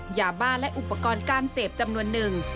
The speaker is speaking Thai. ยาบ้าและอุปกรณ์การเสพจำนวนหนึ่ง